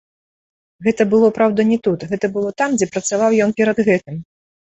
Гэта было, праўда, не тут, гэта было там, дзе працаваў ён перад гэтым.